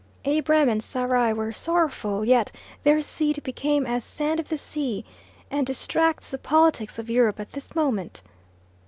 Abram and Sarai were sorrowful, yet their seed became as sand of the sea, and distracts the politics of Europe at this moment.